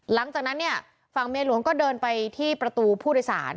หลังจากนั้นเนี่ยฝั่งเมียหลวงก็เดินไปที่ประตูผู้โดยสาร